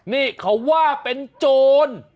นี่เขาว่าเป็นโจร